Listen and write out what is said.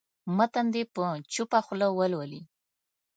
متن دې په چوپه خوله ولولي.